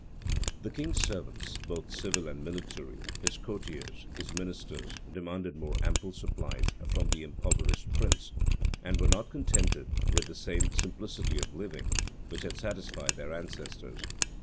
The king's servants, both civil and military, his courtiers, his ministers, demanded more ample supplies from the impoverished prince, and were not contented with the same simplicity of living which had satisfied their ancestors.